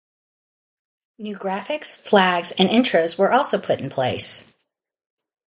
New graphics, flags, and intros were also put in place.